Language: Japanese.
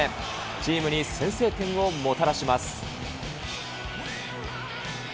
チームに先制点をもたらします。